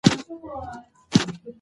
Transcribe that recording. قبر چې جوړ سوی، د هغې دی.